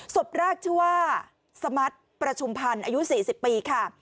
ศพแรกชื่อว่าสมัติประชุมพันธ์อายุ๔๐ปีค่ะ